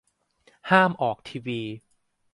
ห้ามออกทีวี